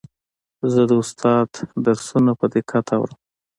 زه د استاد درسونه په دقت اورم.